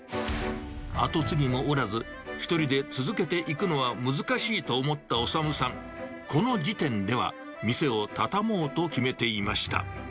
後継ぎもおらず、一人で続けていくのは難しいと思った修さん、この時点では、店を畳もうと決めていました。